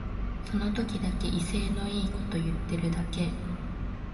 その時だけ威勢のいいこと言ってるだけ